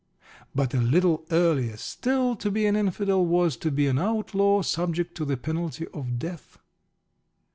But a little earlier still, to be an Infidel was to be an outlaw, subject to the penalty of death.